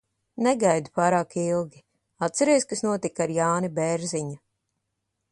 Negaidi pārāk ilgi. Atceries, kas notika ar Jāni Bērziņu?